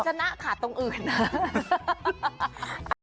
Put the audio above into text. แต่มันจะหน้าขาดตรงอื่นนะ